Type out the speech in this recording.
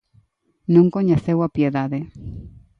Non coñeceu a piedade.